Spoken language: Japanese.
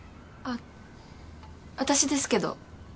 あ私ですけど。